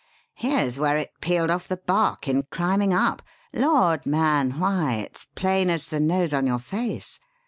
"Here's where it peeled off the bark in climbing up. Lord, man! why, it's plain as the nose on your face.